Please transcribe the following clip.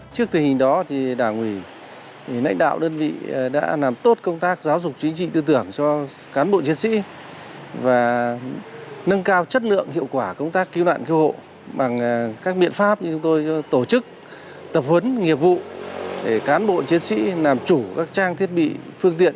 chúng tôi tổ chức tập huấn nghiệp vụ để cán bộ chiến sĩ làm chủ các trang thiết bị phương tiện